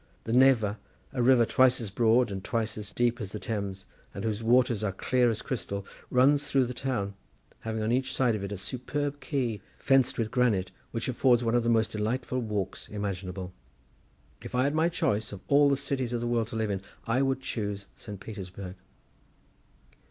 The Neva, a river twice as broad and twice as deep as the Thames, and whose waters are clear as crystal, runs through the town, having on each side of it a superb quay, fenced with granite, which affords one of the most delightful walks imaginable. If I had my choice of all the cities of the world to live in, I would chose Saint Petersburg."